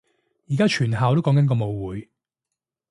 而家全校都講緊個舞會